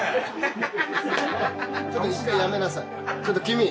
ちょっと君。